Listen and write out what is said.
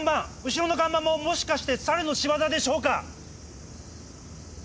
後ろの看板ももしかしてサルの仕業でしょうか？